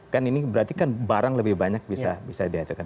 kan ini berarti kan barang lebih banyak bisa diajakkan